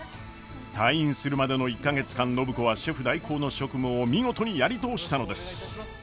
退院するまでの１か月間暢子はシェフ代行の職務を見事にやり通したのです。